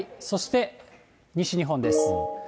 そして西日本です。